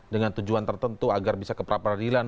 dengan tujuan tertentu agar bisa ke pra peradilan